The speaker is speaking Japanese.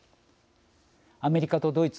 アメリカとドイツ